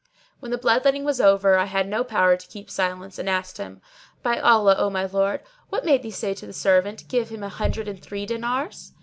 When the blood letting was over I had no power to keep silence and asked him, 'By Allah, O my lord, what made thee say to the servant, Give him an hundred and three dinars?'